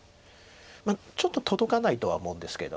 ちょっと届かないとは思うんですけど。